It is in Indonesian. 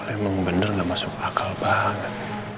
emang bener gak masuk akal banget